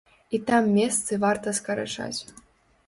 І там месцы варта скарачаць.